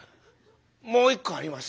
もう一個あります。